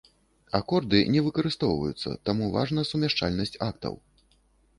Акорды не выкарыстоўваюцца, таму важна сумяшчальнасць актаў.